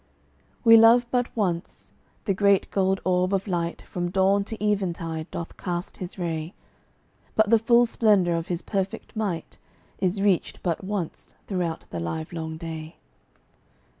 We love but once. The great gold orb of light From dawn to even tide doth cast his ray; But the full splendor of his perfect might Is reached but once throughout the livelong day.